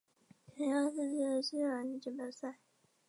曾参加四次世界篮球锦标赛。